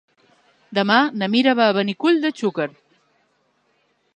Demà na Mira va a Benicull de Xúquer.